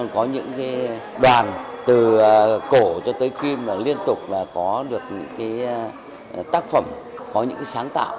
có những đoàn từ cổ cho tới kim liên tục có được những tác phẩm có những sáng tạo